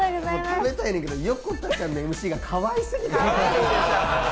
食べたいねんけど、横田ちゃんのＭＣがかわいすぎて。